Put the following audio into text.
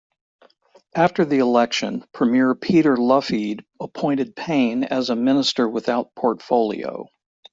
After the election Premier Peter Lougheed appointed Payne as a Minister without portfolio.